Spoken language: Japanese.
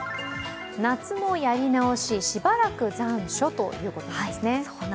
夏のやり直し、しばらく残暑ということなんですね。